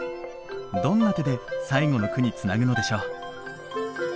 どんな手で最後の句につなぐのでしょう。